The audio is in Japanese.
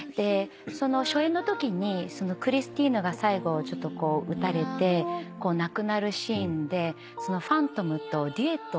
初演のときにクリスティーヌが最後撃たれて亡くなるシーンでファントムとデュエットをするシーンなんですね。